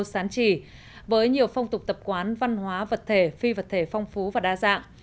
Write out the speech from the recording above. sán trì với nhiều phong tục tập quán văn hóa vật thể phi vật thể phong phú và đa dạng